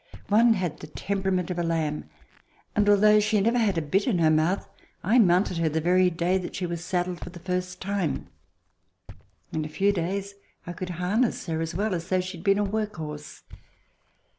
One had the tempera ment of a lamb, and, although she had never had a bit in her mouth, I mounted her the very day that she was saddled for the first time. In a few days I could harness her as well as though she had been a work horse.